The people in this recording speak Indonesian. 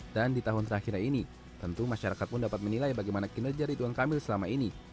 dan di tahun terakhir ini tentu masyarakat pun dapat menilai bagaimana kinerja ridwan kamil selama ini